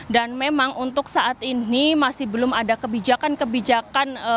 memang untuk saat ini masih belum ada kebijakan kebijakan